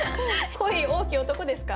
恋多き男ですか？